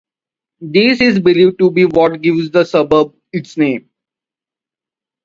This is believed to be what gives the suburb its name.